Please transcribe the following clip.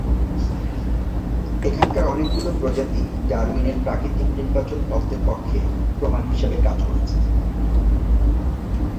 এখানকার অনেকগুলো প্রজাতি ডারউইনের প্রাকৃতিক নির্বাচন তত্ত্বের পক্ষে প্রমাণ হিসেবে কাজ করেছে।